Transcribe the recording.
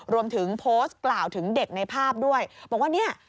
รวมถึงโพสต์กล่าวถึงเด็กในภาพด้วยบอกว่าเนี่ย